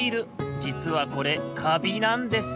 じつはこれカビなんです。